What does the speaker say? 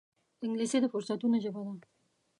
انګلیسي د فرصتونو ژبه ده